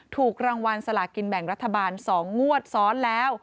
ถูกรางวัลสลากินแบ่งรัฐบาล๒งวดซ้อนแล้ว